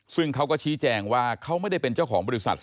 ซึ่งเขาก็ชี้แจงว่าเขาไม่ได้เป็นเจ้าของบริษัท